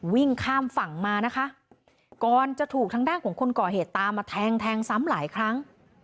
วิ่งข้ามฝั่งมานะคะก่อนจะถูกทางด้านของคนก่อเหตุตามมาแทงแทงซ้ำหลายครั้ง